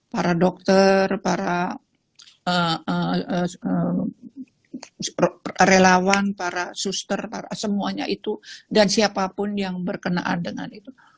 para dokter para relawan para suster para semuanya itu dan siapapun yang berkenaan dengan itu